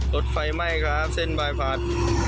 รถไฟไหม้ครับเส้นบายพัด